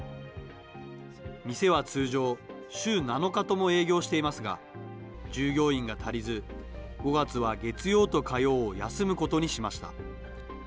店は通常、週７日とも営業していますが、従業員が足りず、５月は月曜と火曜を休むことにしました。